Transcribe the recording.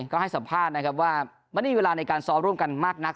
ก็ให้สัมภาษณ์นะครับว่าไม่ได้มีเวลาในการซ้อมร่วมกันมากนัก